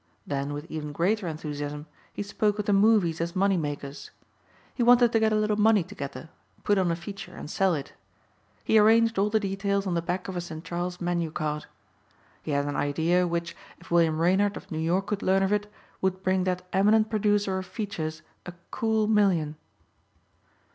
Then with even greater enthusiasm he spoke of the movies as money makers. He wanted to get a little money together, put on a feature and sell it. He arranged all the details on the back of a St. Charles menu card. He had an idea which, if William Reynard of New York could learn of it, would bring that eminent producer of features a cool million.